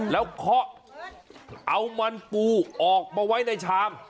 แล้วเคาะเอามันปูออกมาไว้ในชาม